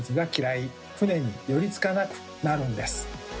船に寄りつかなくなるんです。